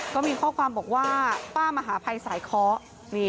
ก็มีข้อความบอกว่าป้ามหาภัยสายเคาะ